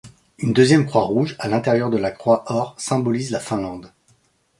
Une deuxième croix rouge à l'intérieur de la croix or symbolise la Finlande.